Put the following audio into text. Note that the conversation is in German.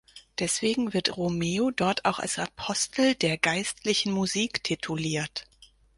Deswegen wird Romeu dort auch als „Apostel der geistlichen Musik“ tituliert.